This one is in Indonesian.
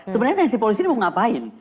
sebenarnya nancy pelosi ini mau ngapain